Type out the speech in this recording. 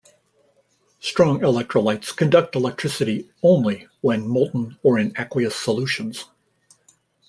Strong electrolytes conduct electricity "only" when molten or in aqueous solutions.